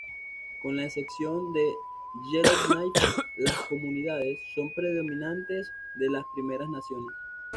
Con la excepción de Yellowknife, las comunidades son predominantemente de las Primeras Naciones.